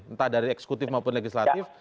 entah dari eksekutif maupun legislatif